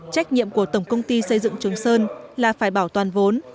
trách nhiệm của tổng công ty xây dựng trường sơn là phải bảo toàn vốn